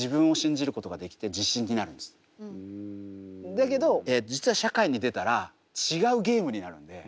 だけど実は社会に出たら違うゲームになるんで。